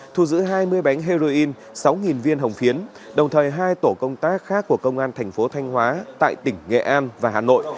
thu giữ hai mươi bánh heroin sáu viên hồng phiến đồng thời hai tổ công tác khác của công an thành phố thanh hóa tại tỉnh nghệ an và hà nội